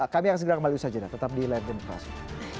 kami akan segera kembali ke sajidah tetap di lenten terima kasih